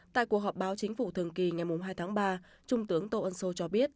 tại cuộc họp báo chính phủ thường kỳ ngày hai tháng ba trung tướng tô ân sô cho biết